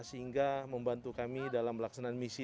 sehingga membantu kami dalam pelaksanaan misi